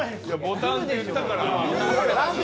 ボタンって言ったから。